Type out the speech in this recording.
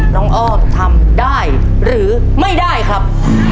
อ้อมทำได้หรือไม่ได้ครับ